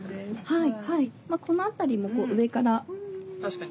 はい。